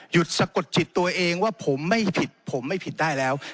สะกดจิตตัวเองว่าผมไม่ผิดผมไม่ผิดได้แล้ว